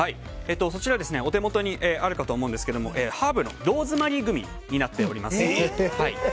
お手元にあるかと思うんですがハーブのローズマリーグミになっています。